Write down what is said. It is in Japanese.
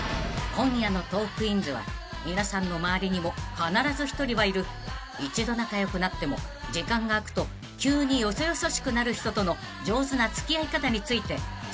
［今夜の『トークィーンズ』は皆さんの周りにも必ず１人はいる一度仲良くなっても時間が空くと急によそよそしくなる人との上手な付き合い方について追求します］